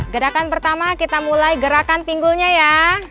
gerakan pertama kita mulai gerakan pinggulnya ya